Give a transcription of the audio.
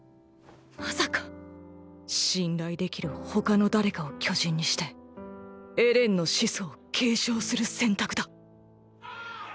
まさか⁉信頼できる他の誰かを巨人にしてエレンの「始祖」を継承する選択だ。